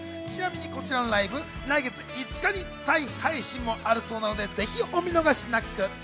ちなみにこちらのライブ、来月５日に再配信もあるそうなので、ぜひお見逃しなく。